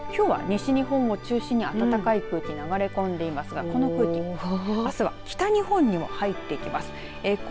きょうは、西日本を中心に暖かい空気流れ込んでいますが、この空気あすは北日本にも入っていきます。